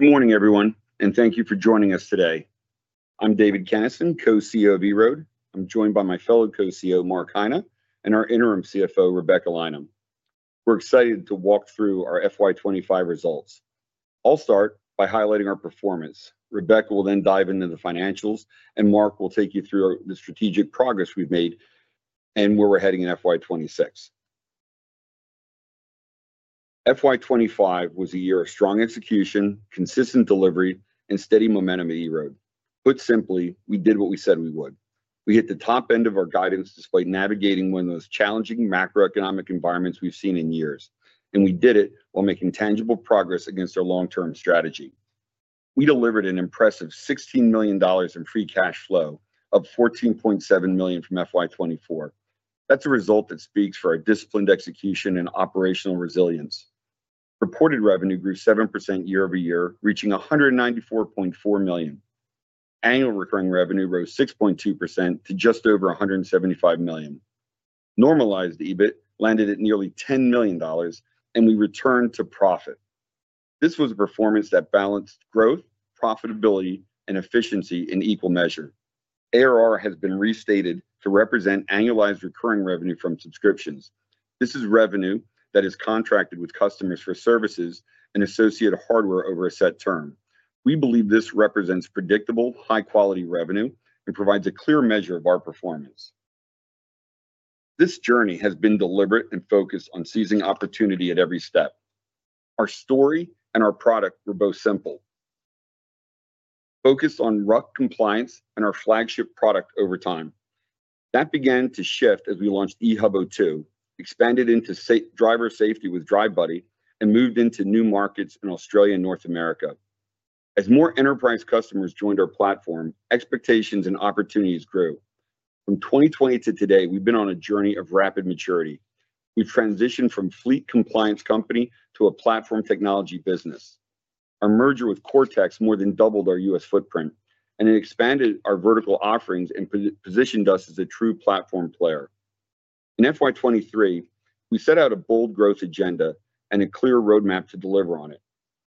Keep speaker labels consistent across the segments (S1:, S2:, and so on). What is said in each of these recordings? S1: Good morning, everyone, and thank you for joining us today. I'm David Kenneson, Co-CEO of EROAD. I'm joined by my fellow Co-CEO, Mark Heine, and our Interim CFO, Rebecca Lineham. We're excited to walk through our FY 2025 results. I'll start by highlighting our performance. Rebecca will then dive into the financials, and Mark will take you through the strategic progress we've made and where we're heading in FY 2026. FY 2025 was a year of strong execution, consistent delivery, and steady momentum at EROAD. Put simply, we did what we said we would. We hit the top end of our guidance despite navigating one of the most challenging macroeconomic environments we've seen in years, and we did it while making tangible progress against our long-term strategy. We delivered an impressive $16 million in free cash flow up $14.7 million from FY 2024. That's a result that speaks for our disciplined execution and operational resilience. Reported revenue grew 7% year-over-year, reaching $194.4 million. Annual recurring revenue rose 6.2% to just over $175 million. Normalized EBIT landed at nearly $10 million, and we returned to profit. This was a performance that balanced growth, profitability, and efficiency in equal measure. ARR has been restated to represent annualized recurring revenue from subscriptions. This is revenue that is contracted with customers for services and associated hardware over a set term. We believe this represents predictable, high-quality revenue and provides a clear measure of our performance. This journey has been deliberate and focused on seizing opportunity at every step. Our story and our product were both simple, focused on RUC compliance and our flagship product over time. That began to shift as we launched eHubo2, expanded into driver safety with DriveBuddy, and moved into new markets in Australia and North America. As more enterprise customers joined our platform, expectations and opportunities grew. From 2020 to today, we've been on a journey of rapid maturity. We've transitioned from fleet compliance company to a platform technology business. Our merger with Cortex more than doubled our U.S. footprint, and it expanded our vertical offerings and positioned us as a true platform player. In FY 2023, we set out a bold growth agenda and a clear roadmap to deliver on it.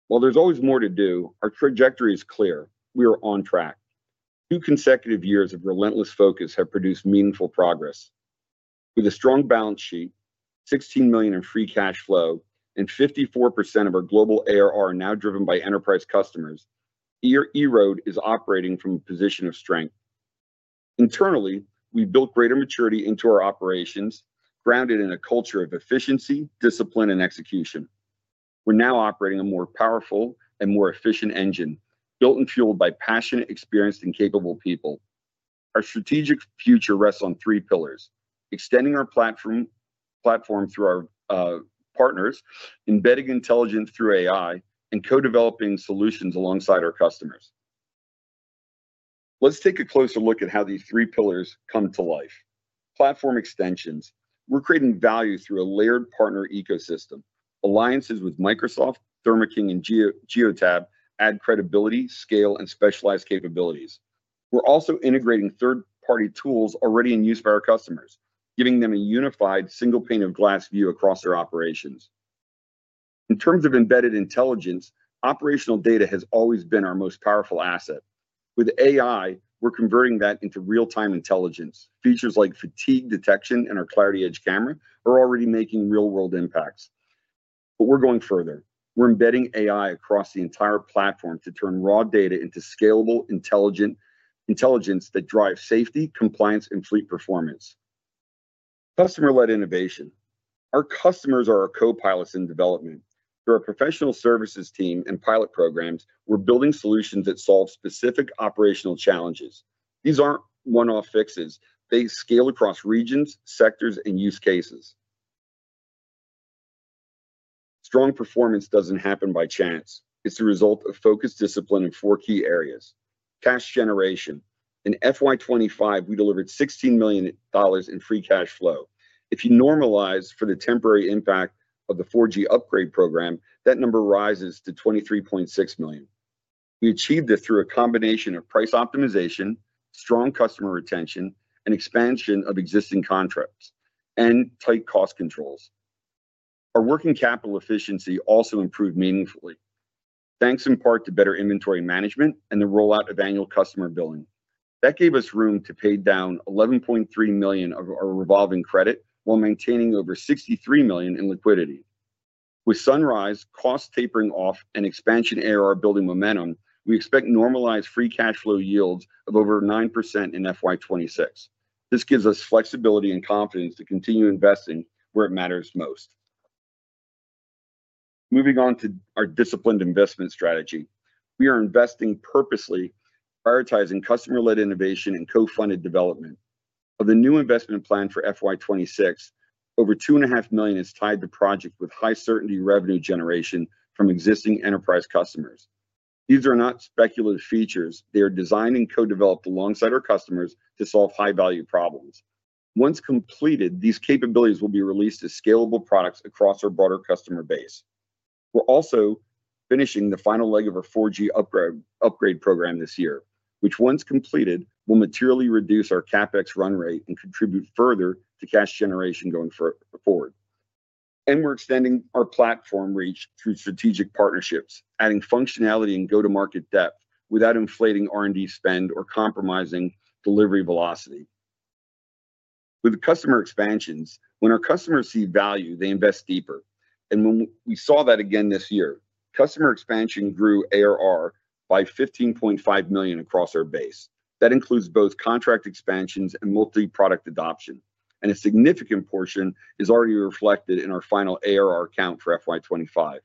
S1: While there's always more to do, our trajectory is clear. We are on track. Two consecutive years of relentless focus have produced meaningful progress. With a strong balance sheet, $16 million in free cash flow, and 54% of our global ARR now driven by enterprise customers, EROAD is operating from a position of strength. Internally, we've built greater maturity into our operations, grounded in a culture of efficiency, discipline, and execution. We're now operating a more powerful and more efficient engine, built and fueled by passionate, experienced, and capable people. Our strategic future rests on three pillars: extending our platform through our partners, embedding intelligence through AI, and co-developing solutions alongside our customers. Let's take a closer look at how these three pillars come to life. Platform extensions. We're creating value through a layered partner ecosystem. Alliances with Microsoft, Thermo King, and Geotab add credibility, scale, and specialized capabilities. We're also integrating third-party tools already in use by our customers, giving them a unified, single pane-of-glass view across their operations. In terms of embedded intelligence, operational data has always been our most powerful asset. With AI, we're converting that into real-time intelligence. Features like fatigue detection and our Clarity Edge camera are already making real-world impacts. We're going further. We're embedding AI across the entire platform to turn raw data into scalable intelligence that drives safety, compliance, and fleet performance. Customer-led innovation. Our customers are our co-pilots in development. Through our professional services team and pilot programs, we're building solutions that solve specific operational challenges. These aren't one-off fixes. They scale across regions, sectors, and use cases. Strong performance doesn't happen by chance. It's the result of focused discipline in four key areas: cash generation. In FY2025, we delivered $16 million in free cash flow. If you normalize for the temporary impact of the 4G upgrade program, that number rises to $23.6 million. We achieved this through a combination of price optimization, strong customer retention, and expansion of existing contracts, and tight cost controls. Our working capital efficiency also improved meaningfully, thanks in part to better inventory management and the rollout of annual customer billing. That gave us room to pay down $11.3 million of our revolving credit while maintaining over $63 million in liquidity. With sunrise costs tapering off and expansion ARR building momentum, we expect normalized free cash flow yields of over 9% in FY 2026. This gives us flexibility and confidence to continue investing where it matters most. Moving on to our disciplined investment strategy. We are investing purposely, prioritizing customer-led innovation and co-funded development. Of the new investment plan for FY 2026, over $2.5 million is tied to projects with high certainty revenue generation from existing enterprise customers. These are not speculative features. They are designed and co-developed alongside our customers to solve high-value problems. Once completed, these capabilities will be released as scalable products across our broader customer base. We are also finishing the final leg of our 4G upgrade program this year, which, once completed, will materially reduce our CapEx run rate and contribute further to cash generation going forward. We are extending our platform reach through strategic partnerships, adding functionality and go-to-market depth without inflating R&D spend or compromising delivery velocity. With customer expansions, when our customers see value, they invest deeper. We saw that again this year. Customer expansion grew ARR by $15.5 million across our base. That includes both contract expansions and multi-product adoption. A significant portion is already reflected in our final ARR count for FY 2025.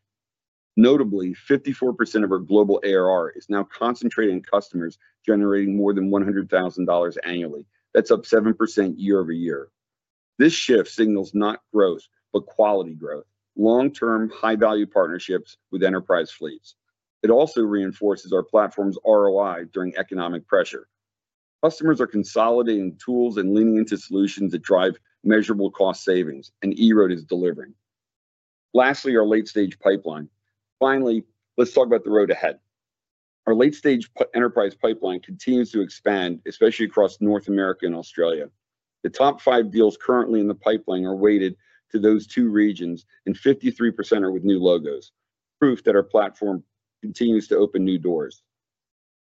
S1: Notably, 54% of our global ARR is now concentrated in customers generating more than $100,000 annually. That's up 7% year over year. This shift signals not growth, but quality growth: long-term, high-value partnerships with enterprise fleets. It also reinforces our platform's ROI during economic pressure. Customers are consolidating tools and leaning into solutions that drive measurable cost savings, and EROAD is delivering. Lastly, our late-stage pipeline. Finally, let's talk about the road ahead. Our late-stage enterprise pipeline continues to expand, especially across North America and Australia. The top five deals currently in the pipeline are weighted to those two regions, and 53% are with new logos, proof that our platform continues to open new doors.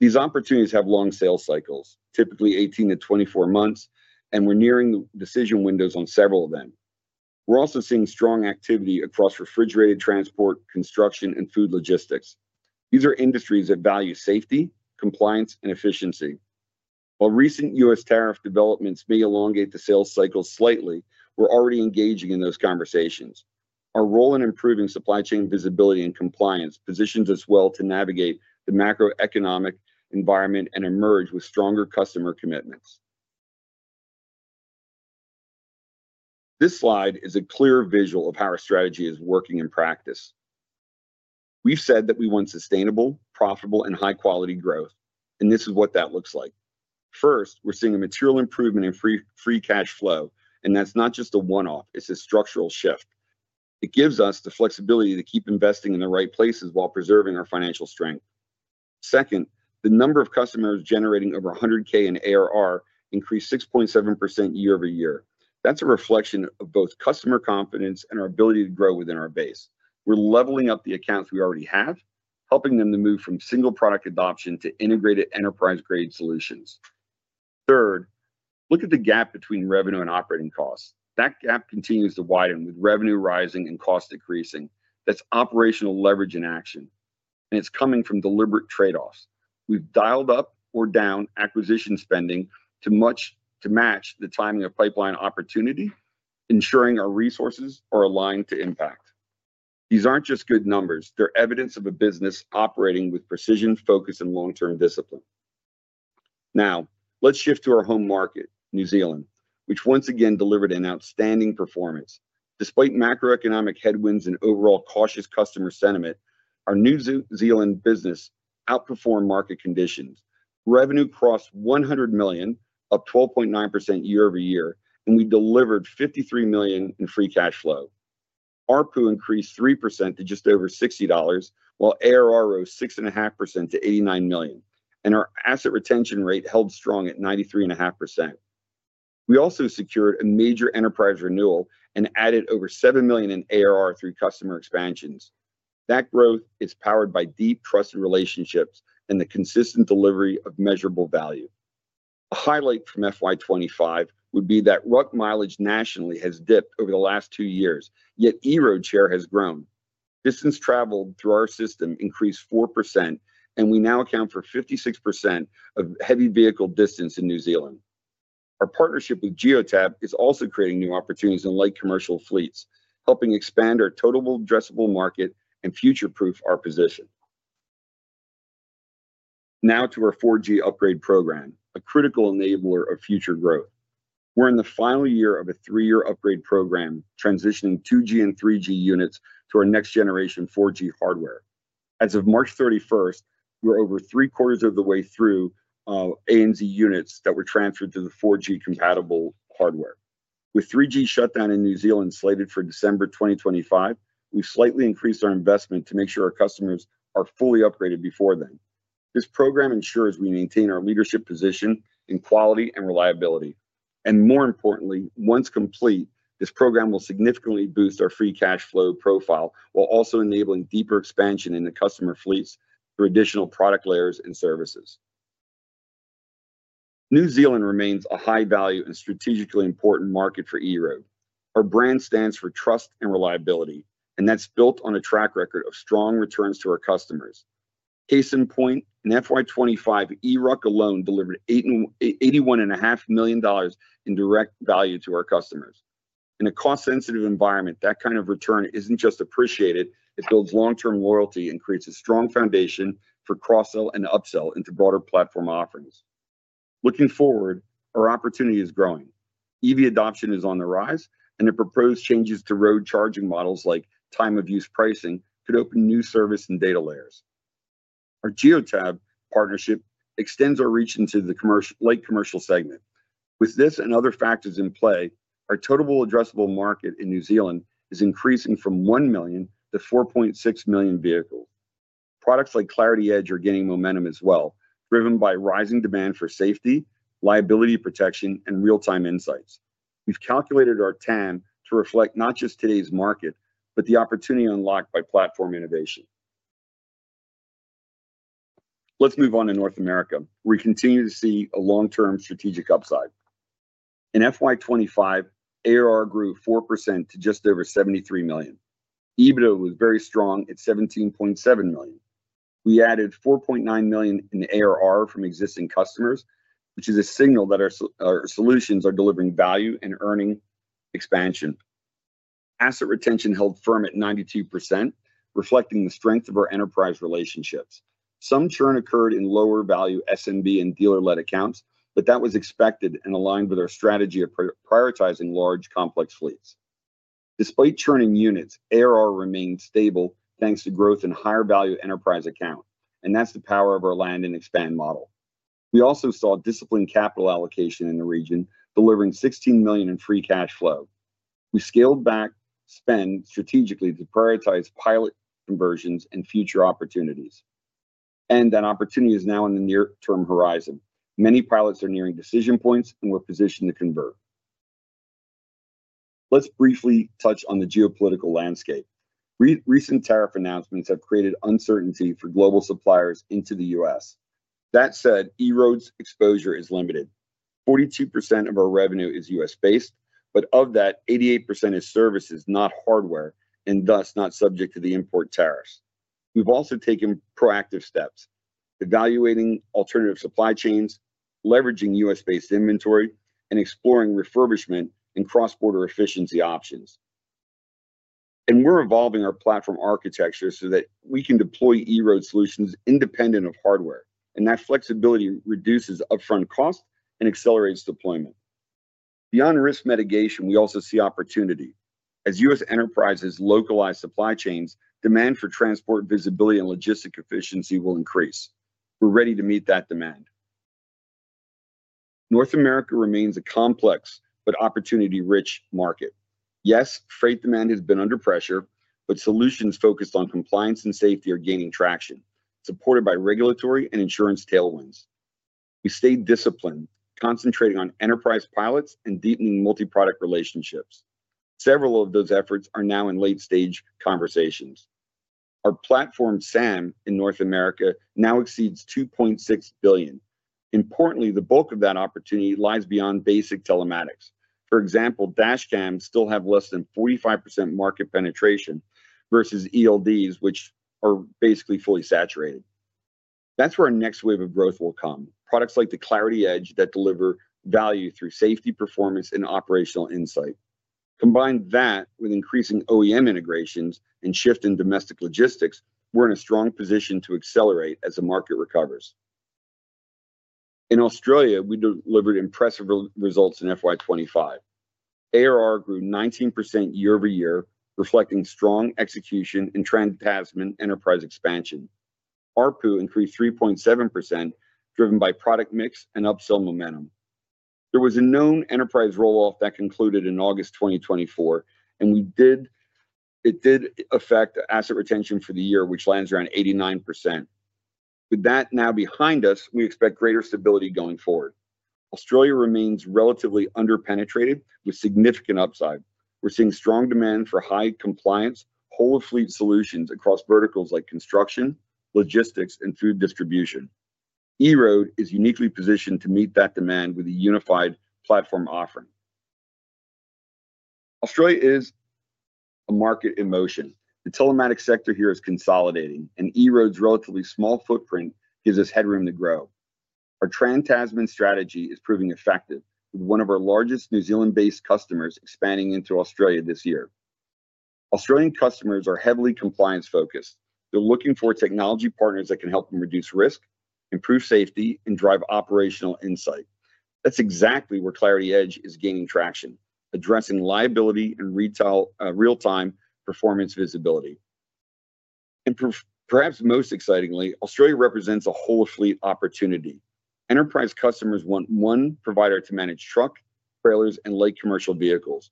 S1: These opportunities have long sales cycles, typically 18 to 24 months, and we're nearing decision windows on several of them. We're also seeing strong activity across refrigerated transport, construction, and food logistics. These are industries that value safety, compliance, and efficiency. While recent U.S. tariff developments may elongate the sales cycle slightly, we're already engaging in those conversations. Our role in improving supply chain visibility and compliance positions us well to navigate the macroeconomic environment and emerge with stronger customer commitments. This slide is a clear visual of how our strategy is working in practice. We've said that we want sustainable, profitable, and high-quality growth, and this is what that looks like. First, we're seeing a material improvement in free cash flow, and that's not just a one-off. It's a structural shift. It gives us the flexibility to keep investing in the right places while preserving our financial strength. Second, the number of customers generating over $100,000 in ARR increased 6.7% year-over-year. That's a reflection of both customer confidence and our ability to grow within our base. We're leveling up the accounts we already have, helping them to move from single product adoption to integrated enterprise-grade solutions. Third, look at the gap between revenue and operating cost. That gap continues to widen with revenue rising and costs decreasing. That's operational leverage in action, and it's coming from deliberate trade-offs. We've dialed up or down acquisition spending to match the timing of pipeline opportunity, ensuring our resources are aligned to impact. These aren't just good numbers. They're evidence of a business operating with precision, focus, and long-term discipline. Now, let's shift to our home market, New Zealand, which once again delivered an outstanding performance. Despite macroeconomic headwinds and overall cautious customer sentiment, our New Zealand business outperformed market conditions. Revenue crossed $100 million, up 12.9% year-over-year, and we delivered $53 million in free cash flow. Our pool increased 3% to just over $60, while ARR rose 6.5% to $89 million, and our asset retention rate held strong at 93.5%. We also secured a major enterprise renewal and added over $7 million in ARR through customer expansions. That growth is powered by deep trust and relationships and the consistent delivery of measurable value. A highlight from FY 2025 would be that RUC mileage nationally has dipped over the last two years, yet EROAD share has grown. Distance traveled through our system increased 4%, and we now account for 56% of heavy vehicle distance in New Zealand. Our partnership with Geotab is also creating new opportunities in late commercial fleets, helping expand our total addressable market and future-proof our position. Now to our 4G upgrade program, a critical enabler of future growth. We're in the final year of a three-year upgrade program, transitioning 2G and 3G units to our next-generation 4G hardware. As of March 31st, we're over three-quarters of the way through ANZ units that were transferred to the 4G-compatible hardware. With 3G shutdown in New Zealand slated for December 2025, we've slightly increased our investment to make sure our customers are fully upgraded before then. This program ensures we maintain our leadership position in quality and reliability. More importantly, once complete, this program will significantly boost our free cash flow profile while also enabling deeper expansion in the customer fleets through additional product layers and services. New Zealand remains a high-value and strategically important market for EROAD. Our brand stands for trust and reliability, and that's built on a track record of strong returns to our customers. Case in point, in FY 2025, eRUC alone delivered $81.5 million in direct value to our customers. In a cost-sensitive environment, that kind of return isn't just appreciated; it builds long-term loyalty and creates a strong foundation for cross-sell and upsell into broader platform offerings. Looking forward, our opportunity is growing. EV adoption is on the rise, and the proposed changes to road charging models like time-of-use pricing could open new service and data layers. Our Geotab partnership extends our reach into the late commercial segment. With this and other factors in play, our total addressable market in New Zealand is increasing from 1 million to 4.6 million vehicles. Products like Clarity Edge are gaining momentum as well, driven by rising demand for safety, liability protection, and real-time insights. We've calculated our TAM to reflect not just today's market, but the opportunity unlocked by platform innovation. Let's move on to North America, where we continue to see a long-term strategic upside. In FY 2025, ARR grew 4% to just over $73 million. EBITDA was very strong at $17.7 million. We added $4.9 million in ARR from existing customers, which is a signal that our solutions are delivering value and earning expansion. Asset retention held firm at 92%, reflecting the strength of our enterprise relationships. Some churn occurred in lower-value SMB and dealer-led accounts, but that was expected and aligned with our strategy of prioritizing large, complex fleets. Despite churning units, ARR remained stable thanks to growth in higher-value enterprise accounts, and that's the power of our land and expand model. We also saw disciplined capital allocation in the region, delivering $16 million in free cash flow. We scaled back spend strategically to prioritize pilot conversions and future opportunities. That opportunity is now in the near-term horizon. Many pilots are nearing decision points, and we're positioned to convert. Let's briefly touch on the geopolitical landscape. Recent tariff announcements have created uncertainty for global suppliers into the U.S. That said, EROAD's exposure is limited. 42% of our revenue is U.S.-based, but of that, 88% is services, not hardware, and thus not subject to the import tariffs. We've also taken proactive steps, evaluating alternative supply chains, leveraging U.S.-based inventory, and exploring refurbishment and cross-border efficiency options. We're evolving our platform architecture so that we can deploy EROAD solutions independent of hardware, and that flexibility reduces upfront costs and accelerates deployment. Beyond risk mitigation, we also see opportunity. As U.S. enterprises localize supply chains, demand for transport visibility and logistic efficiency will increase. We're ready to meet that demand. North America remains a complex but opportunity-rich market. Yes, freight demand has been under pressure, but solutions focused on compliance and safety are gaining traction, supported by regulatory and insurance tailwinds. We stayed disciplined, concentrating on enterprise pilots and deepening multi-product relationships. Several of those efforts are now in late-stage conversations. Our platform, SAM, in North America now exceeds $2.6 billion. Importantly, the bulk of that opportunity lies beyond basic telematics. For example, dashcams still have less than 45% market penetration versus ELDs, which are basically fully saturated. That's where our next wave of growth will come: products like the Clarity Edge that deliver value through safety, performance, and operational insight. Combine that with increasing OEM integrations and shift in domestic logistics, we're in a strong position to accelerate as the market recovers. In Australia, we delivered impressive results in FY 2025. ARR grew 19% year over year, reflecting strong execution in Trans-Tasman and enterprise expansion. Our pool increased 3.7%, driven by product mix and upsell momentum. There was a known enterprise roll off that concluded in August 2024, and it did affect asset retention for the year, which lands around 89%. With that now behind us, we expect greater stability going forward. Australia remains relatively underpenetrated with significant upside. We're seeing strong demand for high-compliance, whole-of-fleet solutions across verticals like construction, logistics, and food distribution. EROAD is uniquely positioned to meet that demand with a unified platform offering. Australia is a market in motion. The telematics sector here is consolidating, and EROAD's relatively small footprint gives us headroom to grow. Our Trans-Tasman strategy is proving effective, with one of our largest New Zealand-based customers expanding into Australia this year. Australian customers are heavily compliance-focused. They're looking for technology partners that can help them reduce risk, improve safety, and drive operational insight. That's exactly where Clarity Edge is gaining traction, addressing liability and real-time performance visibility. Perhaps most excitingly, Australia represents a whole fleet opportunity. Enterprise customers want one provider to manage trucks, trailers, and light commercial vehicles.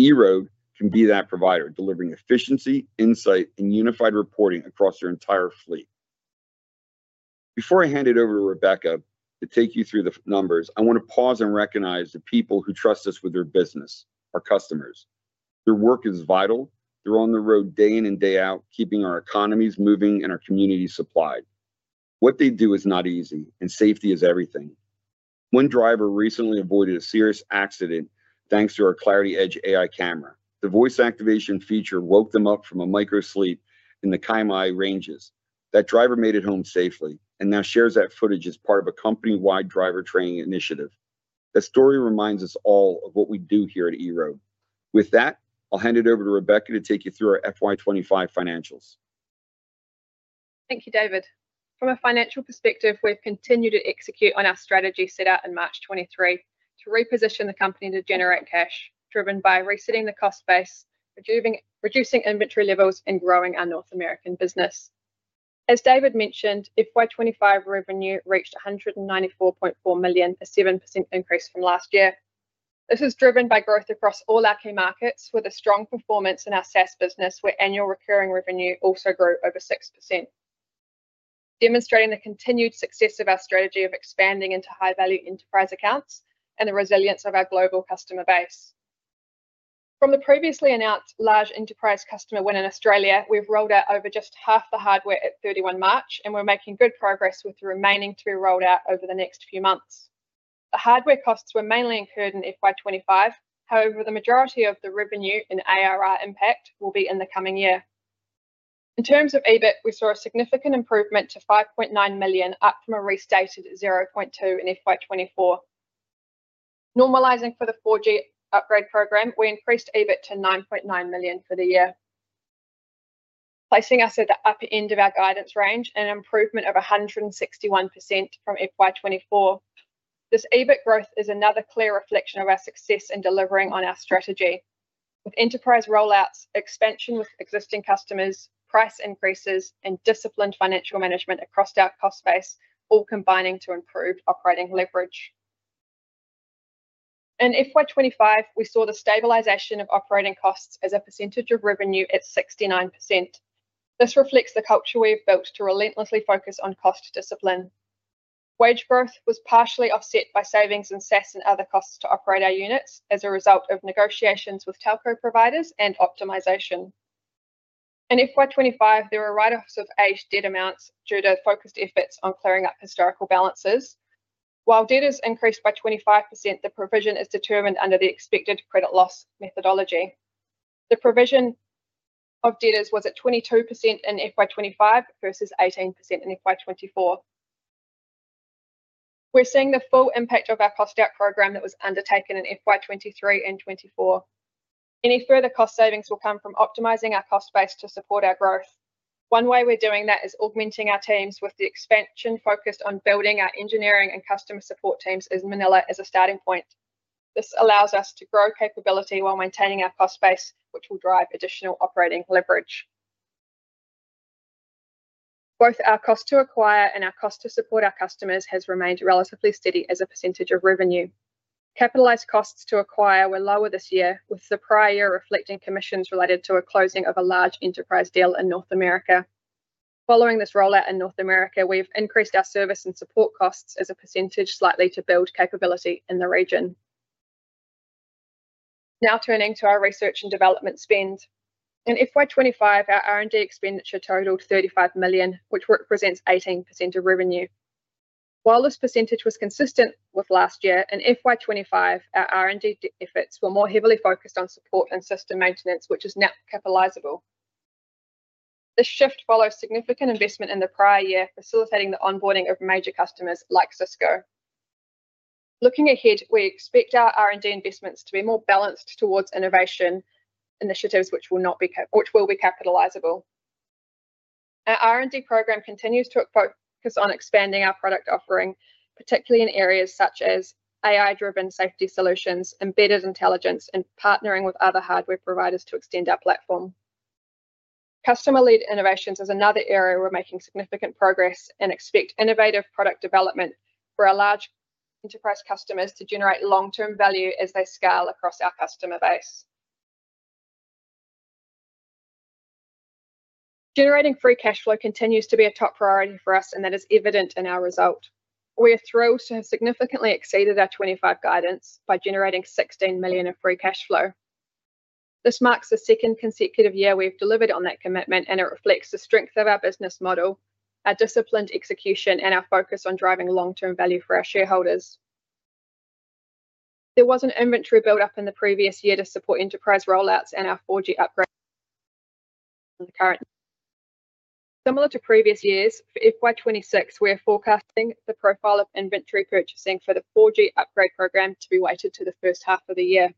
S1: EROAD can be that provider, delivering efficiency, insight, and unified reporting across their entire fleet. Before I hand it over to Rebecca to take you through the numbers, I want to pause and recognize the people who trust us with their business, our customers. Their work is vital. They're on the road day in and day out, keeping our economies moving and our communities supplied. What they do is not easy, and safety is everything. One driver recently avoided a serious accident thanks to our Clarity Edge AI camera. The voice activation feature woke them up from a microsleep in the Ranges. That driver made it home safely and now shares that footage as part of a company-wide driver training initiative. That story reminds us all of what we do here at EROAD. With that, I'll hand it over to Rebecca to take you through our FY 2025 financials.
S2: Thank you, David. From a financial perspective, we've continued to execute on our strategy set out in March 2023 to reposition the company to generate cash, driven by resetting the cost base, reducing inventory levels, and growing our North American business. As David mentioned, FY 2025 revenue reached $194.4 million, a 7% increase from last year. This is driven by growth across all our key markets, with a strong performance in our SaaS business, where annual recurring revenue also grew over 6%, demonstrating the continued success of our strategy of expanding into high-value enterprise accounts and the resilience of our global customer base. From the previously announced large enterprise customer win in Australia, we've rolled out over just half the hardware at 31 March, and we're making good progress with the remaining to be rolled out over the next few months. The hardware costs were mainly incurred in FY 2025, however, the majority of the revenue in ARR impact will be in the coming year. In terms of EBIT, we saw a significant improvement to $5.9 million, up from a re-stated $0.2 million in FY 2024. Normalizing for the 4G upgrade program, we increased EBIT to $9.9 million for the year, placing us at the upper end of our guidance range and an improvement of 161% from FY 2024. This EBIT growth is another clear reflection of our success in delivering on our strategy, with enterprise rollouts, expansion with existing customers, price increases, and disciplined financial management across our cost base, all combining to improve operating leverage. In FY 2025, we saw the stabilization of operating costs as a percentage of revenue at 69%. This reflects the culture we've built to relentlessly focus on cost discipline. Wage growth was partially offset by savings in SaaS and other costs to operate our units as a result of negotiations with telco providers and optimization. In FY 2025, there are write-offs of aged debt amounts due to focused efforts on clearing up historical balances. While debtors increased by 25%, the provision is determined under the expected credit loss methodology. The provision of debtors was at 22% in FY 2025 versus 18% in FY 2024. We're seeing the full impact of our cost-out program that was undertaken in FY 2023 and 2024. Any further cost savings will come from optimizing our cost base to support our growth. One way we're doing that is augmenting our teams with the expansion focused on building our engineering and customer support teams in Manila as a starting point. This allows us to grow capability while maintaining our cost base, which will drive additional operating leverage. Both our cost to acquire and our cost to support our customers has remained relatively steady as a percentage of revenue. Capitalized costs to acquire were lower this year, with the prior year reflecting commissions related to a closing of a large enterprise deal in North America. Following this rollout in North America, we've increased our service and support costs as a percentage slightly to build capability in the region. Now turning to our research and development spend. In FY 2025, our R&D expenditure totaled $35 million, which represents 18% of revenue. While this percentage was consistent with last year, in FY 2025, our R&D efforts were more heavily focused on support and system maintenance, which is now capitalizable. This shift follows significant investment in the prior year, facilitating the onboarding of major customers like Cisco. Looking ahead, we expect our R&D investments to be more balanced towards innovation initiatives, which will be capitalizable. Our R&D program continues to focus on expanding our product offering, particularly in areas such as AI-driven safety solutions, embedded intelligence, and partnering with other hardware providers to extend our platform. Customer-led innovations is another area we're making significant progress and expect innovative product development for our large enterprise customers to generate long-term value as they scale across our customer base. Generating free cash flow continues to be a top priority for us, and that is evident in our result. We are thrilled to have significantly exceeded our 2025 guidance by generating $16 million of free cash flow. This marks the second consecutive year we've delivered on that commitment, and it reflects the strength of our business model, our disciplined execution, and our focus on driving long-term value for our shareholders. There was an inventory build-up in the previous year to support enterprise rollouts and our 4G upgrade in the current. Similar to previous years, for FY 2026, we are forecasting the profile of inventory purchasing for the 4G upgrade program to be weighted to the first half of the year.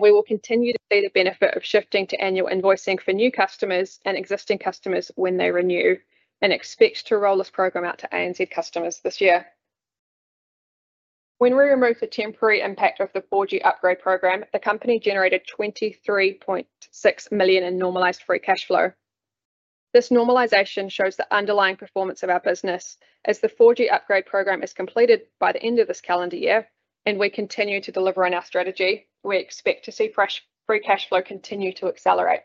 S2: We will continue to see the benefit of shifting to annual invoicing for new customers and existing customers when they renew and expect to roll this program out to ANZ customers this year. When we remove the temporary impact of the 4G upgrade program, the company generated $23.6 million in normalized free cash flow. This normalization shows the underlying performance of our business. As the 4G upgrade program is completed by the end of this calendar year and would continue to deliver on our strategy, we expect to see fresh free cash flow continue to accelerate.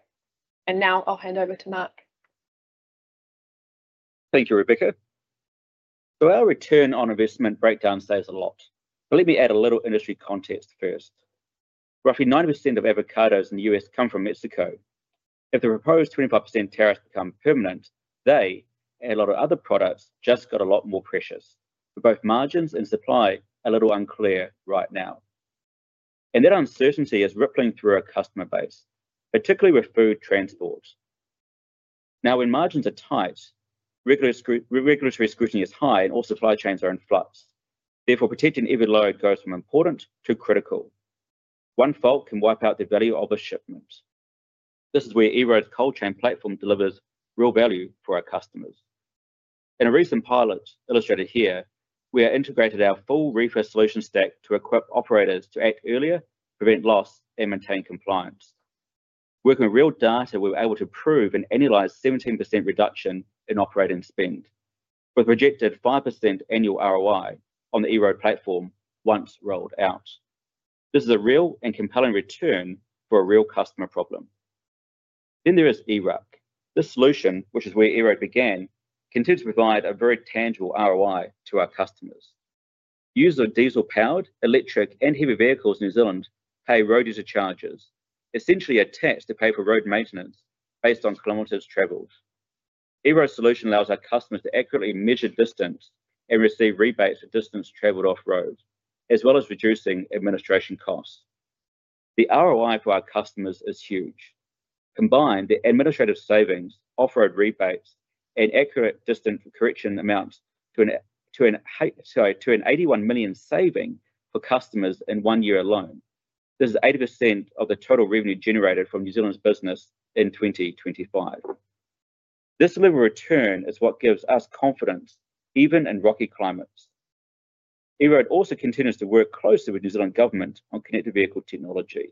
S2: I'll hand over to Mark.
S3: Thank you, Rebecca. Our return on investment breakdown says a lot. Let me add a little industry context first. Roughly 90% of avocados in the U.S. come from Mexico. If the proposed 25% tariffs become permanent, they and a lot of other products just got a lot more precious. Both margins and supply are a little unclear right now. That uncertainty is rippling through our customer base, particularly with food transport. Now, when margins are tight, regulatory scrutiny is high and all supply chains are in flux. Therefore, protecting every load goes from important to critical. One fault can wipe out the value of a shipment. This is where EROAD's cold chain platform delivers real value for our customers. In a recent pilot illustrated here, we have integrated our full refresh solution stack to equip operators to act earlier, prevent loss, and maintain compliance. Working with real data, we were able to prove and analyze a 17% reduction in operating spend, with projected 5% annual ROI on the EROAD platform once rolled out. This is a real and compelling return for a real customer problem. There is EROAD. This solution, which is where EROAD began, continues to provide a very tangible ROI to our customers. Users of diesel-powered, electric, and heavy vehicles in New Zealand pay road user charges, essentially a tax to pay for road maintenance based on kilometers traveled. EROAD's solution allows our customers to accurately measure distance and receive rebates for distance traveled off-road, as well as reducing administration costs. The ROI for our customers is huge. Combined, the administrative savings, off-road rebates, and accurate distance correction amounts to an $81 million saving for customers in one year alone. This is 80% of the total revenue generated from New Zealand's business in 2025. This level of return is what gives us confidence, even in rocky climates. EROAD also continues to work closely with New Zealand government on connected vehicle technology.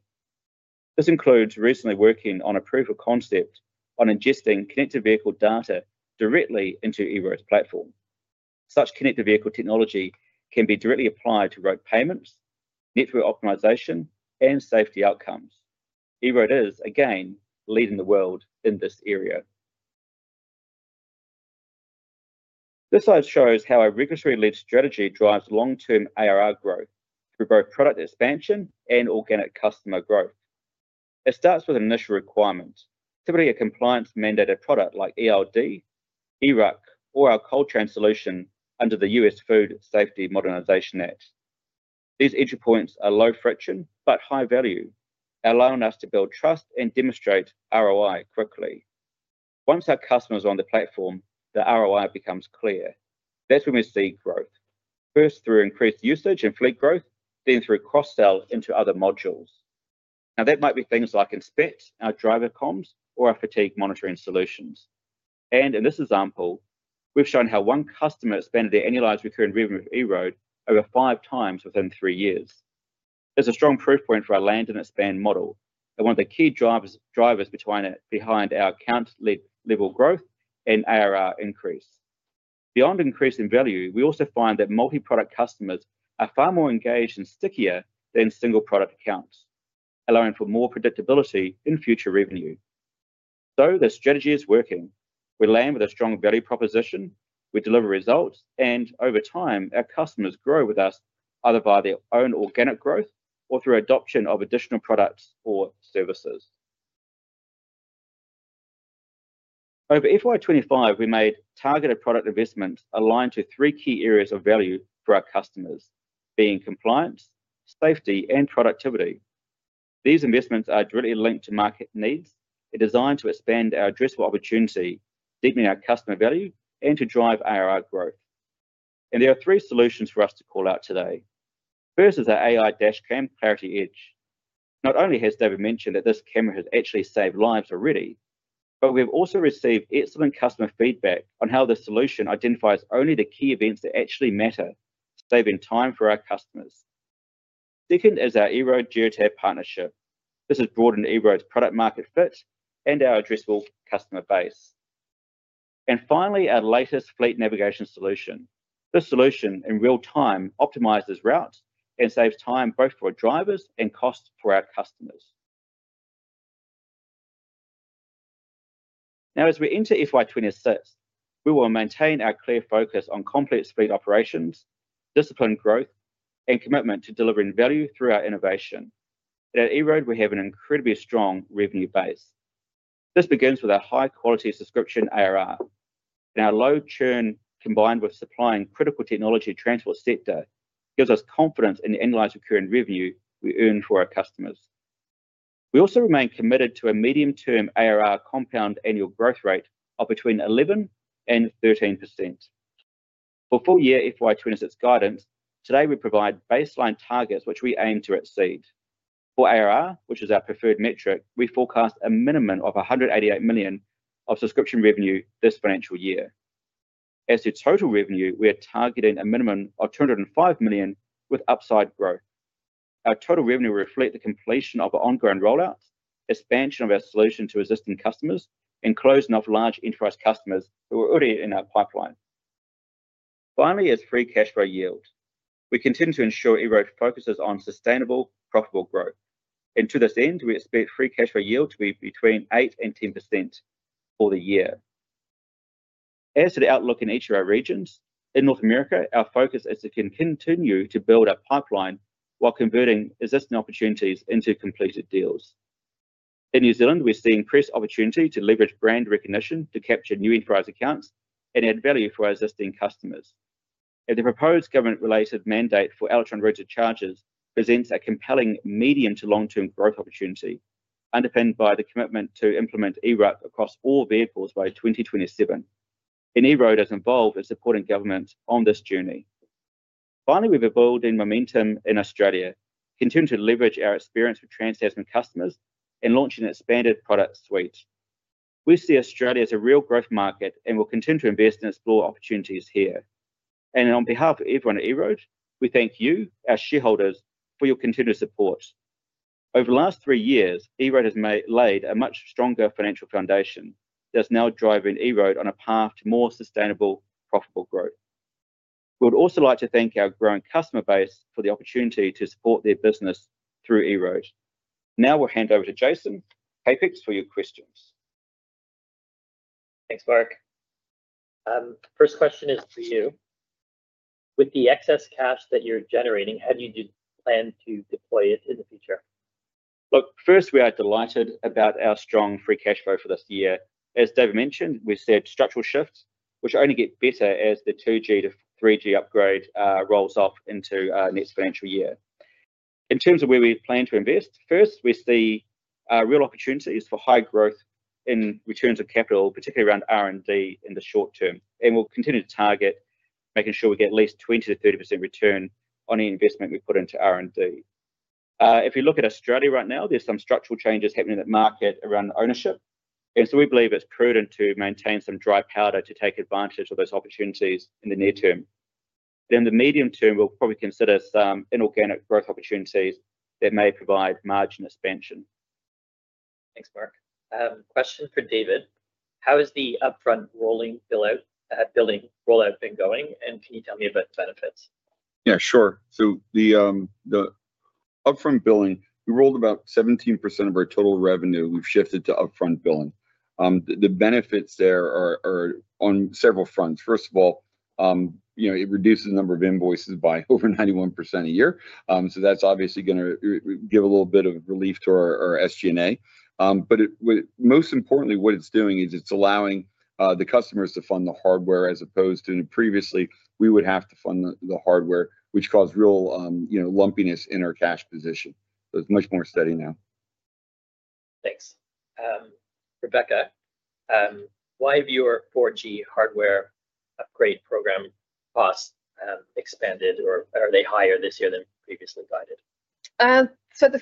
S3: This includes recently working on a proof of concept on ingesting connected vehicle data directly into EROAD's platform. Such connected vehicle technology can be directly applied to road payments, network optimization, and safety outcomes. EROAD is, again, leading the world in this area. This slide shows how a regulatory-led strategy drives long-term ARR growth through both product expansion and organic customer growth. It starts with initial requirements, typically a compliance-mandated product like ELD, EROAD, or our cold chain solution under the US Food and Safety Modernization Act. These entry points are low friction but high value, allowing us to build trust and demonstrate ROI quickly. Once our customers are on the platform, the ROI becomes clear. That's when we see growth, first through increased usage and fleet growth, then through cross-sell into other modules. Now, that might be things like Inspect, our driver comms, or our fatigue monitoring solutions. In this example, we've shown how one customer expanded their annualized recurring revenue with EROAD over five times within three years. It's a strong proof point for our land and expand model, and one of the key drivers behind our account-level growth and ARR increase. Beyond increasing value, we also find that multi-product customers are far more engaged and stickier than single-product accounts, allowing for more predictability in future revenue. The strategy is working. We land with a strong value proposition. We deliver results, and over time, our customers grow with us either by their own organic growth or through adoption of additional products or services. Over FY 2025, we made targeted product investments aligned to three key areas of value for our customers, being compliance, safety, and productivity. These investments are directly linked to market needs. They're designed to expand our addressable opportunity, deepening our customer value, and to drive ARR growth. There are three solutions for us to call out today. First is our AI dash cam, Clarity Edge. Not only has David mentioned that this camera has actually saved lives already, but we've also received excellent customer feedback on how the solution identifies only the key events that actually matter, saving time for our customers. Second is our EROAD Geotab partnership. This has broadened EROAD's product-market fit and our addressable customer base. Finally, our latest fleet navigation solution. This solution, in real time, optimizes routes and saves time both for drivers and costs for our customers. Now, as we enter FY 2026, we will maintain our clear focus on complex fleet operations, disciplined growth, and commitment to delivering value through our innovation. At EROAD, we have an incredibly strong revenue base. This begins with our high-quality subscription ARR. And our low churn, combined with supplying critical technology transport sector, gives us confidence in the annualized recurring revenue we earn for our customers. We also remain committed to a medium-term ARR compound annual growth rate of between 11% and 13%. For full year FY 2026 guidance, today we provide baseline targets, which we aim to exceed. For ARR, which is our preferred metric, we forecast a minimum of $188 million of subscription revenue this financial year. As to total revenue, we are targeting a minimum of $205 million with upside growth. Our total revenue will reflect the completion of ongoing rollouts, expansion of our solution to existing customers, and closing off large enterprise customers who are already in our pipeline. Finally, as free cash flow yield, we continue to ensure EROAD focuses on sustainable, profitable growth. To this end, we expect free cash flow yield to be between 8% and 10% for the year. As to the outlook in each of our regions, in North America, our focus is to continue to build our pipeline while converting existing opportunities into completed deals. In New Zealand, we're seeing press opportunity to leverage brand recognition to capture new enterprise accounts and add value for our existing customers. The proposed government-related mandate for electronic routing charges presents a compelling medium- to long-term growth opportunity, underpinned by the commitment to implement EROAD across all vehicles by 2027. EROAD has evolved in supporting governments on this journey. Finally, we've evolved in momentum in Australia, continuing to leverage our experience with Trans-Tasman customers and launching an expanded product suite. We see Australia as a real growth market and will continue to invest and explore opportunities here. On behalf of everyone at EROAD, we thank you, our shareholders, for your continued support. Over the last three years, EROAD has laid a much stronger financial foundation that is now driving EROAD on a path to more sustainable, profitable growth. We would also like to thank our growing customer base for the opportunity to support their business through EROAD. Now we'll hand over to Jason Kepecs for your questions.
S4: Thanks, Mark. First question is for you. With the excess cash that you're generating, how do you plan to deploy it in the future?
S3: Look, first, we are delighted about our strong free cash flow for this year. As David mentioned, we've said structural shifts, which only get better as the 2G to 3G upgrade rolls off into our next financial year. In terms of where we plan to invest, first, we see real opportunities for high growth in returns of capital, particularly around R&D in the short term. We will continue to target making sure we get at least 20%-30% return on any investment we put into R&D. If you look at Australia right now, there are some structural changes happening in the market around ownership. We believe it is prudent to maintain some dry powder to take advantage of those opportunities in the near term. In the medium term, we will probably consider some inorganic growth opportunities that may provide margin expansion.
S4: Thanks, Mark. A question for David. How has the upfront rolling bill out, billing rollout been going? Can you tell me about the benefits?
S1: Yeah, sure. The upfront billing, we rolled about 17% of our total revenue. We have shifted to upfront billing. The benefits there are on several fronts. First of all, it reduces the number of invoices by over 91% a year. That is obviously going to give a little bit of relief to our SG&A. Most importantly, what it is doing is it is allowing the customers to fund the hardware as opposed to previously, we would have to fund the hardware, which caused real lumpiness in our cash position. It is much more steady now.
S4: Thanks. Rebecca, why have your 4G hardware upgrade program costs expanded, or are they higher this year than previously guided?
S2: The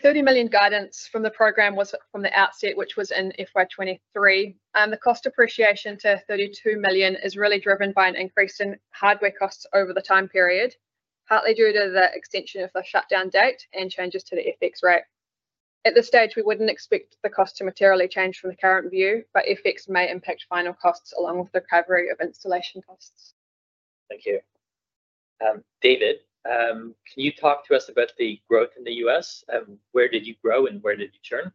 S2: $30 million guidance from the program was from the outset, which was in FY 2023. The cost appreciation to $32 million is really driven by an increase in hardware costs over the time period, partly due to the extension of the shutdown date and changes to the FX rate. At this stage, we would not expect the cost to materially change from the current view, but FX may impact final costs along with the recovery of installation costs.
S4: Thank you. David, can you talk to us about the growth in the U.S.? Where did you grow and where did you turn?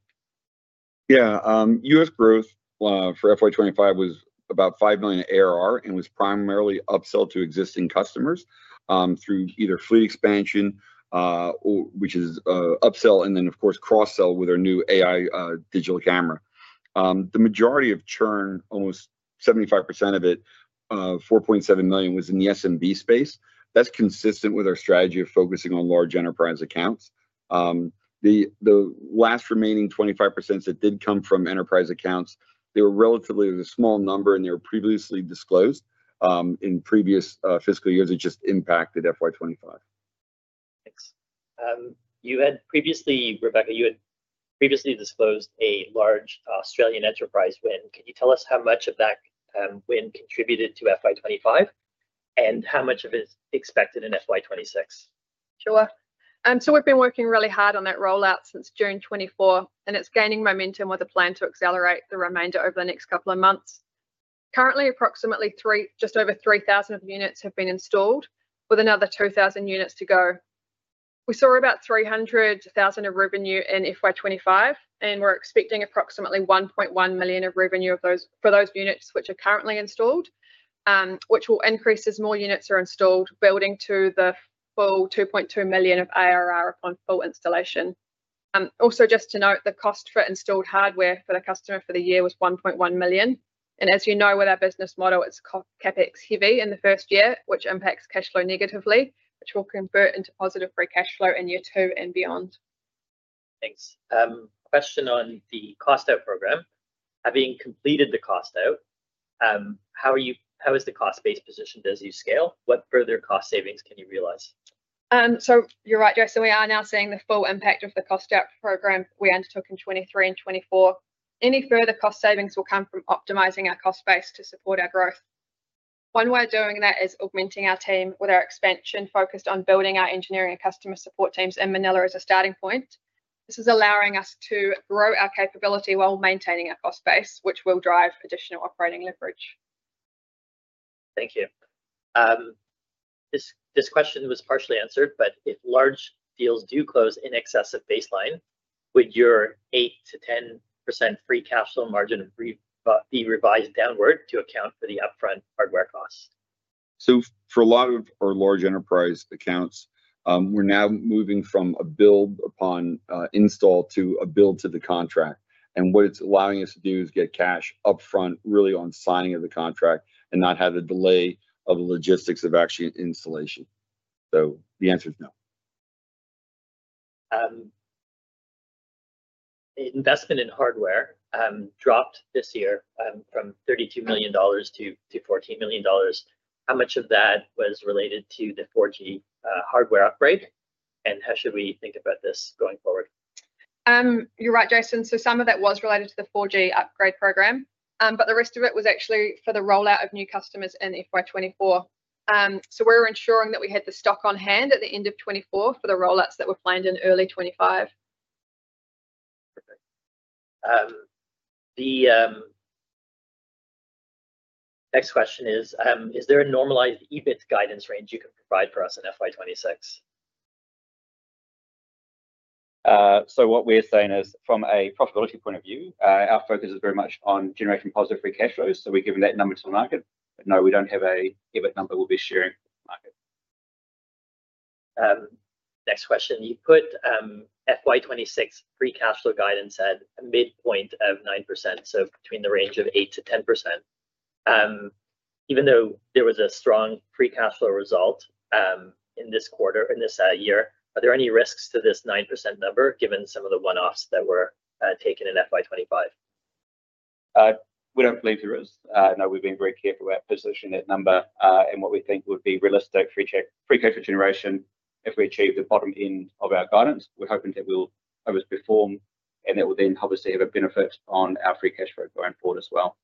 S1: Yeah. U.S. growth for FY 2025 was about $5 million ARR and was primarily upsell to existing customers through either fleet expansion, which is upsell, and then, of course, cross-sell with our new AI digital camera. The majority of churn, almost 75% of it, $4.7 million, was in the SMB space. That is consistent with our strategy of focusing on large enterprise accounts. The last remaining 25% that did come from enterprise accounts, they were relatively a small number, and they were previously disclosed in previous fiscal years. It just impacted FY 2025.
S4: Thanks. You had previously, Rebecca, you had previously disclosed a large Australian enterprise win. Can you tell us how much of that win contributed to FY 2025 and how much of it is expected in FY 2026?
S2: Sure. So we've been working really hard on that rollout since June 2024, and it's gaining momentum with a plan to accelerate the remainder over the next couple of months. Currently, approximately just over 3,000 units have been installed, with another 2,000 units to go. We saw about $300,000 of revenue in FY 2025, and we're expecting approximately $1.1 million of revenue for those units which are currently installed, which will increase as more units are installed, building to the full $2.2 million of ARR upon full installation. Also, just to note, the cost for installed hardware for the customer for the year was $1.1 million. As you know, with our business model, it's CapEx heavy in the first year, which impacts cash flow negatively, which will convert into positive free cash flow in year two and beyond.
S4: Thanks. Question on the cost-out program. Having completed the cost-out, how is the cost base positioned as you scale? What further cost savings can you realize?
S2: You're right, Jason. We are now seeing the full impact of the cost-out program we undertook in 2023 and 2024. Any further cost savings will come from optimizing our cost base to support our growth. One way of doing that is augmenting our team with our expansion focused on building our engineering and customer support teams in Manila as a starting point. This is allowing us to grow our capability while maintaining our cost base, which will drive additional operating leverage.
S4: Thank you. This question was partially answered, but if large deals do close in excess of baseline, would your 8% to 10% free cash flow margin be revised downward to account for the upfront hardware costs?
S1: For a lot of our large enterprise accounts, we're now moving from a build upon install to a build to the contract. What it's allowing us to do is get cash upfront, really on signing of the contract and not have the delay of the logistics of actually installation. The answer is no.
S4: Investment in hardware dropped this year from $32 million to $14 million. How much of that was related to the 4G hardware upgrade? How should we think about this going forward?
S2: You're right, Jason. Some of that was related to the 4G upgrade program, but the rest of it was actually for the rollout of new customers in FY 2024. We are ensuring that we had the stock on hand at the end of 2024 for the rollouts that were planned in early 2025.
S4: The next question is, is there a normalized EBIT guidance range you can provide for us in FY 2026?
S3: What we are saying is, from a profitability point of view, our focus is very much on generating positive free cash flows. We are giving that number to the market. No, we do not have an EBIT number we will be sharing with the market.
S4: Next question. You put FY 2026 free cash flow guidance at a midpoint of 9%, so between the range of 8% to 10%. Even though there was a strong free cash flow result in this quarter, in this year, are there any risks to this 9% number given some of the one-offs that were taken in FY 2025?
S3: We do not believe there is. No, we have been very careful about positioning that number and what we think would be realistic free cash flow generation if we achieve the bottom end of our guidance. We are hoping that will obviously perform and that will then obviously have a benefit on our free cash flow going forward as well.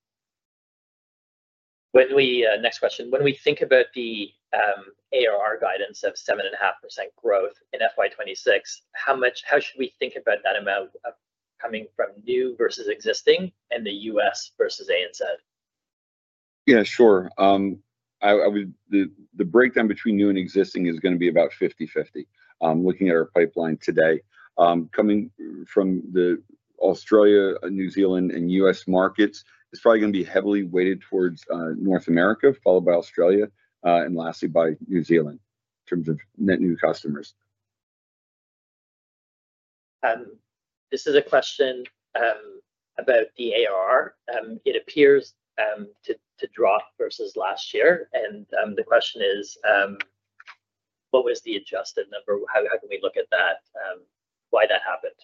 S4: Next question. When we think about the ARR guidance of 7.5% growth in FY 2026, how should we think about that amount coming from new versus existing and the U.S. versus ANZ?
S1: Yeah, sure. The breakdown between new and existing is going to be about 50/50, looking at our pipeline today. Coming from the Australia, New Zealand, and U.S. markets, it's probably going to be heavily weighted towards North America, followed by Australia, and lastly by New Zealand in terms of net new customers.
S4: This is a question about the ARR. It appears to drop versus last year. The question is, what was the adjusted number? How can we look at that? Why that happened?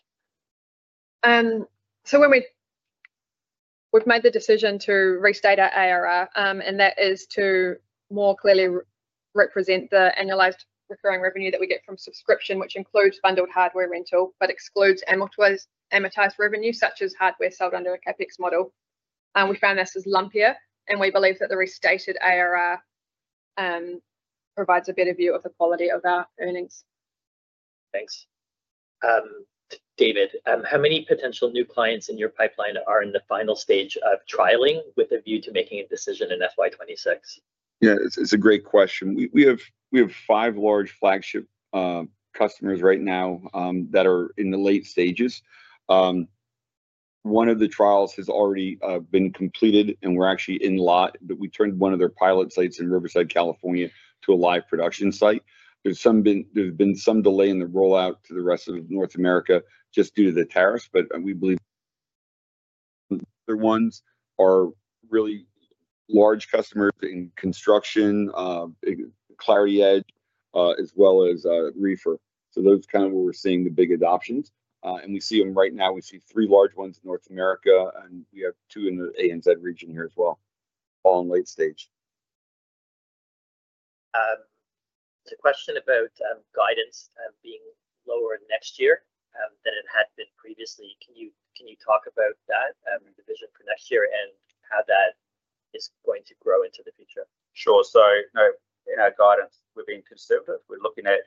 S2: We have made the decision to restate our ARR, and that is to more clearly represent the annualized recurring revenue that we get from subscription, which includes bundled hardware rental but excludes amortized revenue such as hardware sold under a CapEx model. We found this is lumpier, and we believe that the restated ARR provides a better view of the quality of our earnings.
S4: Thanks. David, how many potential new clients in your pipeline are in the final stage of trialing with a view to making a decision in FY 2026?
S1: Yeah, it's a great question. We have five large flagship customers right now that are in the late stages. One of the trials has already been completed, and we're actually in lot. We turned one of their pilot sites in Riverside, California, to a live production site. There's been some delay in the rollout to the rest of North America just due to the tariffs, but we believe the other ones are really large customers in construction, Clarity Edge, as well as Reefer. Those are kind of where we're seeing the big adoptions. We see them right now. We see three large ones in North America, and we have two in the ANZ region here as well, all in late stage.
S4: It's a question about guidance being lower next year than it had been previously. Can you talk about that, the vision for next year and how that is going to grow into the future?
S3: Sure. In our guidance, we're being conservative. We're looking at,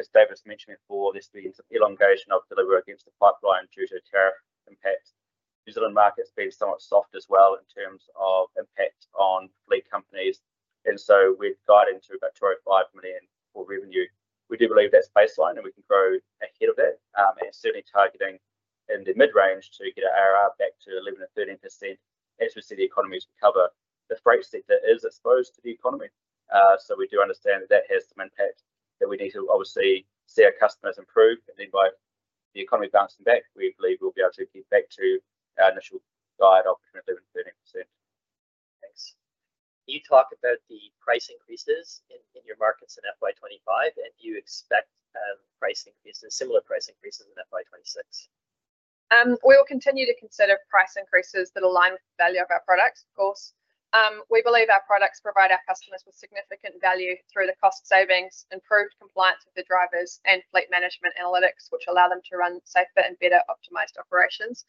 S3: as David's mentioned before, this being an elongation of delivery against the pipeline due to tariff impacts. New Zealand market's been somewhat soft as well in terms of impact on fleet companies. With guidance of about $25 million for revenue, we do believe that's baseline and we can grow ahead of that. Certainly targeting in the mid-range to get our ARR back to 11% to 13% as we see the economy recover. The freight sector is exposed to the economy. We do understand that that has some impact that we need to obviously see our customers improve. Then by the economy bouncing back, we believe we'll be able to get back to our initial guide of between 11% to 13%.
S4: Thanks. Can you talk about the price increases in your markets in FY 2025, and do you expect similar price increases in FY 2026?
S2: We will continue to consider price increases that align with the value of our products, of course. We believe our products provide our customers with significant value through the cost savings, improved compliance with the drivers, and fleet management analytics, which allow them to run safer and better optimized operations.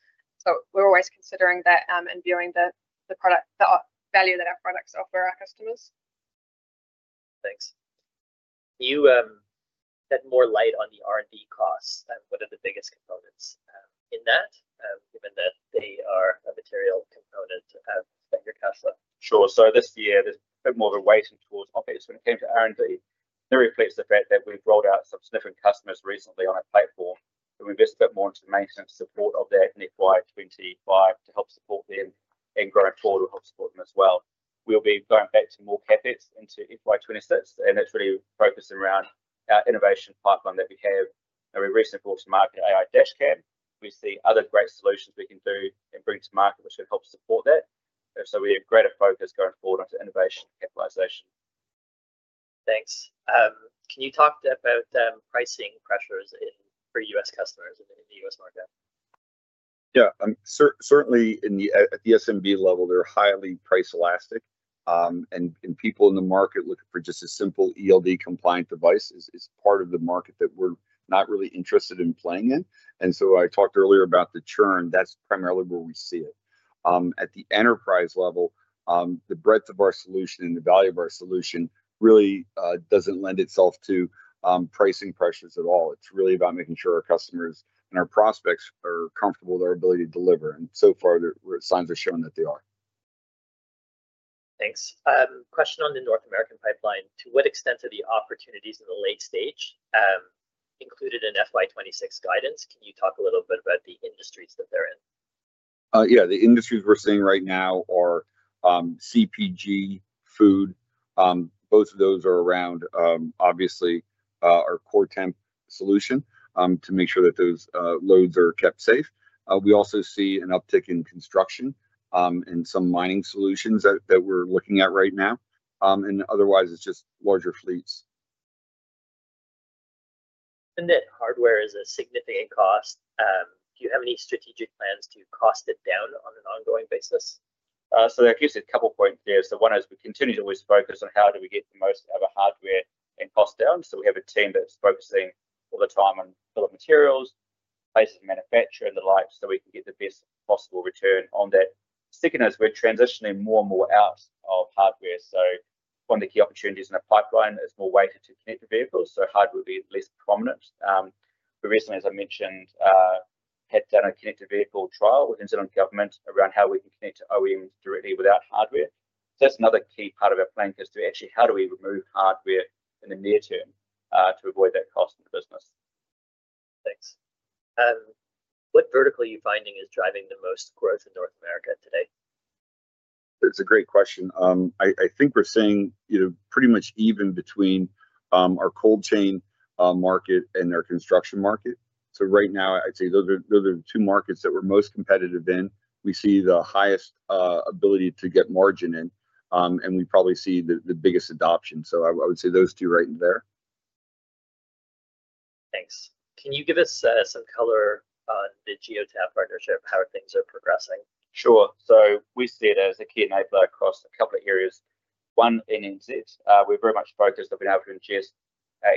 S2: We're always considering that and viewing the value that our products offer our customers.
S4: Thanks. Can you shed more light on the R&D costs? What are the biggest components in that, given that they are a material component of your cash flow?
S3: Sure. This year, there's a bit more of a weighting towards optics. When it came to R&D, that reflects the fact that we've rolled out some significant customers recently on our platform. We invest a bit more into the maintenance support of that in FY 2025 to help support them and going forward, we'll help support them as well. We'll be going back to more CapEx into FY 2026, and that's really focusing around our innovation pipeline that we have. We recently brought to market AI Dashcam. We see other great solutions we can do and bring to market, which would help support that. We have greater focus going forward onto innovation capitalization.
S4: Thanks. Can you talk about pricing pressures for U.S. customers in the U.S. market?
S1: Yeah. Certainly at the SMB level, they're highly price elastic. People in the market looking for just a simple ELD-compliant device is part of the market that we're not really interested in playing in. I talked earlier about the churn. That's primarily where we see it. At the enterprise level, the breadth of our solution and the value of our solution really does not lend itself to pricing pressures at all. It is really about making sure our customers and our prospects are comfortable with our ability to deliver. So far, the signs are showing that they are.
S4: Thanks. Question on the North American pipeline. To what extent are the opportunities in the late stage included in FY 2026 guidance? Can you talk a little bit about the industries that they're in?
S1: Yeah. The industries we're seeing right now are CPG, food. Both of those are around, obviously, our core temp solution to make sure that those loads are kept safe. We also see an uptick in construction and some mining solutions that we're looking at right now. Otherwise, it's just larger fleets.
S4: That hardware is a significant cost. Do you have any strategic plans to cost it down on an ongoing basis?
S3: There are a couple of points there. One is we continue to always focus on how do we get the most out of our hardware and cost down. We have a team that's focusing all the time on bill of materials, places of manufacture, and the like, so we can get the best possible return on that. Second is we're transitioning more and more out of hardware. One of the key opportunities in the pipeline is more weighted to connected vehicles, so hardware will be less prominent. We recently, as I mentioned, had done a connected vehicle trial with New Zealand government around how we can connect to OEMs directly without hardware. That is another key part of our planning, is to actually how do we remove hardware in the near term to avoid that cost in the business.
S4: Thanks. What vertical are you finding is driving the most growth in North America today?
S1: That is a great question. I think we are seeing pretty much even between our cold chain market and our construction market. Right now, I would say those are the two markets that we are most competitive in. We see the highest ability to get margin in, and we probably see the biggest adoption. I would say those two right in there.
S4: Thanks. Can you give us some color on the Geotab partnership, how things are progressing?
S3: Sure. So we see it as a key enabler across a couple of areas. One in NZ, we're very much focused on being able to ingest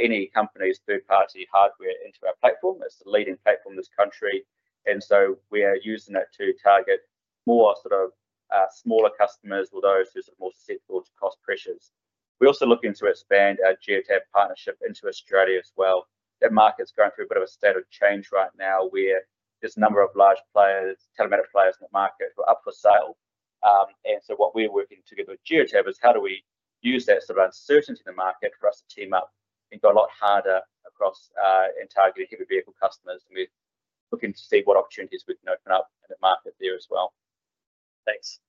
S3: any company's third-party hardware into our platform. It's the leading platform in this country. We are using that to target more sort of smaller customers or those who are more susceptible to cost pressures. We also look into expanding our Geotab partnership into Australia as well. That market's going through a bit of a state of change right now where there's a number of large telematic players in the market who are up for sale. What we are working together with Geotab on is how we use that sort of uncertainty in the market for us to team up and go a lot harder across and target heavy vehicle customers. We are looking to see what opportunities we can open up in the market there as well.
S4: Thanks.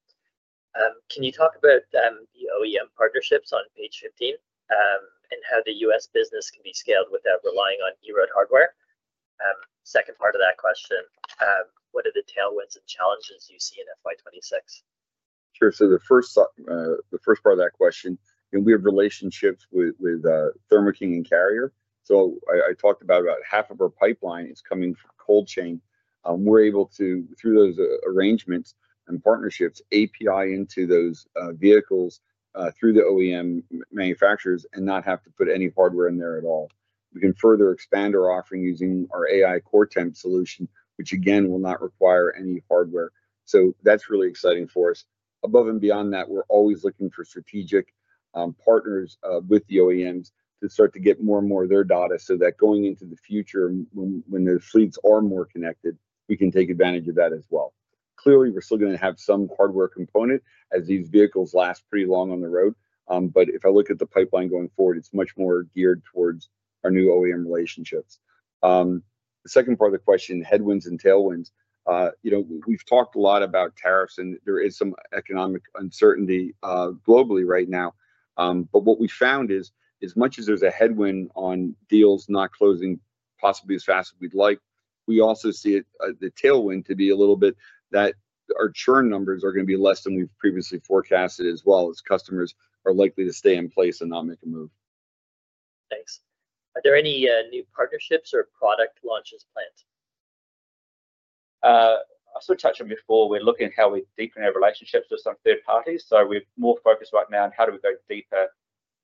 S4: Can you talk about the OEM partnerships on page 15 and how the U.S. business can be scaled without relying on EROAD hardware? Second part of that question, what are the tailwinds and challenges you see in FY 2026?
S1: Sure. The first part of that question, we have relationships with Thermo King and Carrier. I talked about about half of our pipeline is coming from cold chain. We are able to, through those arrangements and partnerships, API into those vehicles through the OEM manufacturers and not have to put any hardware in there at all. We can further expand our offering using our AI core temp solution, which again will not require any hardware. That is really exciting for us. Above and beyond that, we are always looking for strategic partners with the OEMs to start to get more and more of their data so that going into the future, when those fleets are more connected, we can take advantage of that as well. Clearly, we are still going to have some hardware component as these vehicles last pretty long on the road. If I look at the pipeline going forward, it is much more geared towards our new OEM relationships. The second part of the question, headwinds and tailwinds. We have talked a lot about tariffs, and there is some economic uncertainty globally right now. What we found is, as much as there's a headwind on deals not closing possibly as fast as we'd like, we also see the tailwind to be a little bit that our churn numbers are going to be less than we've previously forecasted as well, as customers are likely to stay in place and not make a move.
S4: Thanks. Are there any new partnerships or product launches planned?
S3: I also touched on before, we're looking at how we deepen our relationships with some third parties. We're more focused right now on how do we go deeper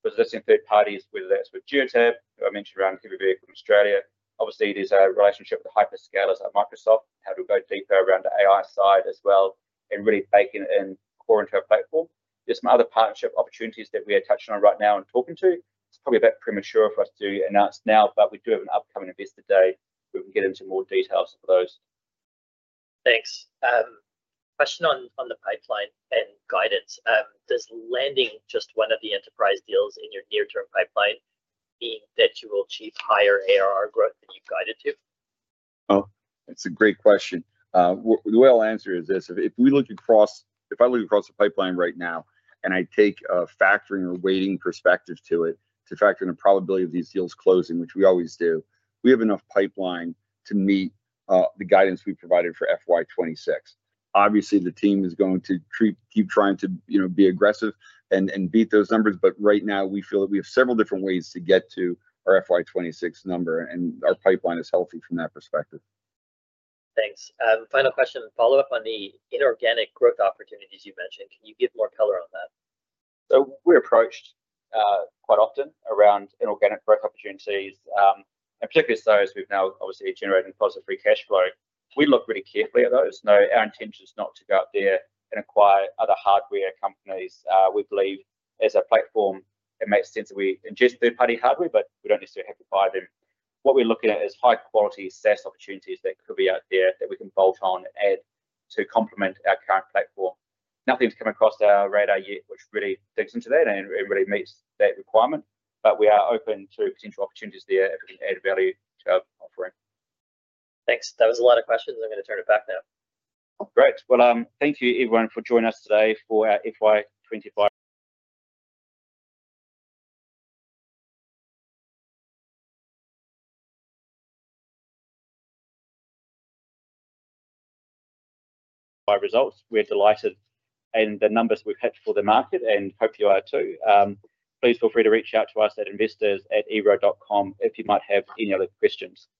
S3: with certain third parties, whether that's with Geotab, where I mentioned around heavy vehicle in Australia. Obviously, there's a relationship with hyperscalers like Microsoft, how do we go deeper around the AI side as well and really baking it in core into our platform. There's some other partnership opportunities that we are touching on right now and talking to. It's probably a bit premature for us to announce now, but we do have an upcoming investor day where we can get into more details for those.
S4: Thanks. Question on the pipeline and guidance. Does landing just one of the enterprise deals in your near-term pipeline mean that you will achieve higher ARR growth than you've guided to?
S1: Oh, that's a great question. The way I'll answer is this. If we look across, if I look across the pipeline right now and I take a factoring or weighting perspective to it, to factor in the probability of these deals closing, which we always do, we have enough pipeline to meet the guidance we provided for FY 2026. Obviously, the team is going to keep trying to be aggressive and beat those numbers, but right now, we feel that we have several different ways to get to our FY 2026 number, and our pipeline is healthy from that perspective.
S4: Thanks. Final question, follow-up on the inorganic growth opportunities you mentioned. Can you give more color on that?
S3: We are approached quite often around inorganic growth opportunities, and particularly those as we are now obviously generating positive free cash flow. We look really carefully at those. No, our intention is not to go out there and acquire other hardware companies. We believe as a platform, it makes sense that we ingest third-party hardware, but we do not necessarily have to buy them. What we are looking at is high-quality SaaS opportunities that could be out there that we can bolt on and add to complement our current platform. Nothing's come across our radar yet, which really digs into that and really meets that requirement. But we are open to potential opportunities there if we can add value to our offering.
S4: Thanks. That was a lot of questions. I'm going to turn it back now.
S3: Great. Thank you, everyone, for joining us today for our FY 2025 results. We're delighted in the numbers we've hit for the market, and hopefully you are too. Please feel free to reach out to us at investors@eroad.com if you might have any other questions. Thank you.